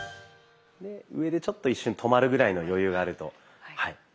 上でちょっと一瞬止まるぐらいの余裕があるとはい。